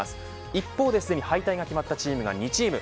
一方、すでに敗退が決まったチームが２チーム。